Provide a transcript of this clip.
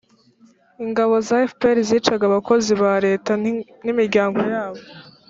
ingabo za fpr zicaga abakozi ba leta n'imiryango yabo